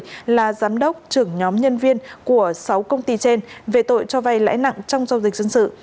công an tp hcm là giám đốc trưởng nhóm nhân viên của sáu công ty trên về tội cho vay lãi nặng trong giao dịch dân sự